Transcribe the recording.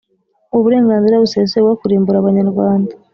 uburenganzira busesuye bwo kurimbura abanyarwanda.